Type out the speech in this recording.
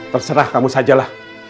terserah kamu sajalah